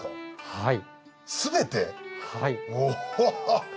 はい。